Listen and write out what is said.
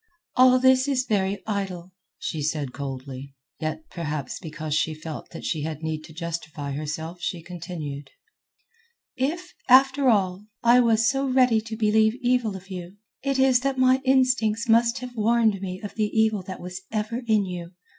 "All this is very idle," she said coldly. Yet perhaps because she felt that she had need to justify herself she continued: "If, after all, I was so ready to believe evil of you, it is that my instincts must have warned me of the evil that was ever in you.